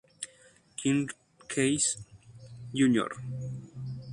Ken Keyes, Jr.